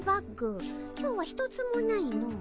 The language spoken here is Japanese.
今日は一つもないの。